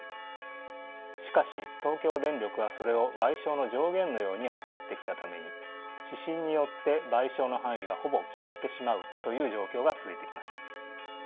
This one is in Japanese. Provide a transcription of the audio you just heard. しかし東京電力はそれを賠償の上限のように扱ってきたために指針によって賠償の範囲がほぼ決まってしまうという状況が続いてきました。